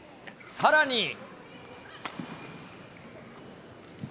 さらに。